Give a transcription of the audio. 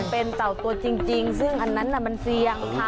เป็นเต่าตัวจริงซึ่งอันนั้นมันเสี่ยงค่ะ